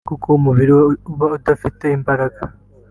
kuko umubiri we uba udafite imbaraga